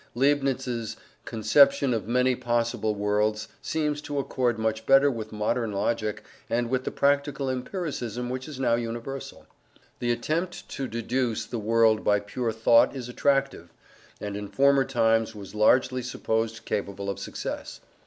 Leibniz's conception of many possible worlds seems to accord much better with modern logic and with the practical empiricism which is now universal. The attempt to deduce the world by pure thought is attractive, and in former times was largely supposed capable of success.